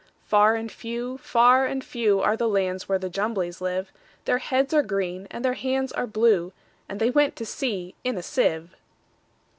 Far and few, far and few, Are the lands where the Jumblies live:Their heads are green, and their hands are blue; And they went to sea in a sieve.